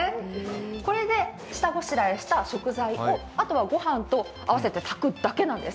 これで下ごしらえした食材とご飯を合わせて炊くだけなんです。